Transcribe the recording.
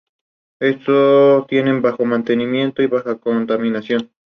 Estos tienen bajo mantenimiento, y baja contaminación.